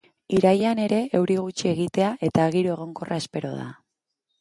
Irailean ere euri gutxi egitea eta giro egonkorra espero da.